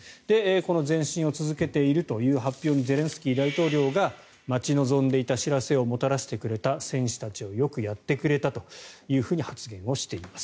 この前進を続けているという発表にゼレンスキー大統領が待ち望んでいた知らせをもたらせてくれた戦士たちよ、よくやってくれたと発言しています。